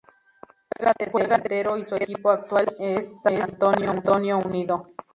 Juega de delantero y su equipo actual es San Antonio Unido.